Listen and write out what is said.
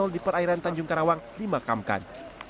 di perairan tanjung karawang dimakamkan